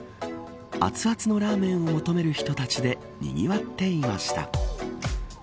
熱々のラーメンを求める人たちでにぎわっていました。